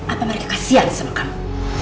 apa mereka kasihan sama kami